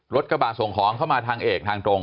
กระบาดส่งของเข้ามาทางเอกทางตรง